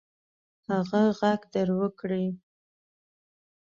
هغه ږغ در وکړئ.